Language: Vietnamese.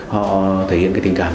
họ thể hiện cái tình cảm